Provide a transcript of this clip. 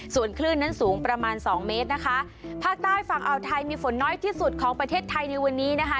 ส่วนคลื่นนั้นสูงประมาณสองเมตรนะคะภาคใต้ฝั่งอ่าวไทยมีฝนน้อยที่สุดของประเทศไทยในวันนี้นะคะ